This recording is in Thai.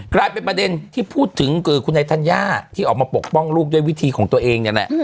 กลายเป็นประเด็นที่พูดถึงคุณนายธัญญาที่ออกมาปกป้องลูกด้วยวิธีของตัวเองเนี่ยแหละ